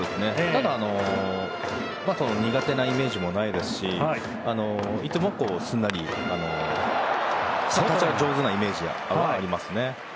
ただ、苦手なイメージもないですしいつもすんなり立ち上がりが上手なイメージがありますね。